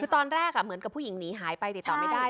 คือตอนแรกเหมือนกับผู้หญิงหนีหายไปติดต่อไม่ได้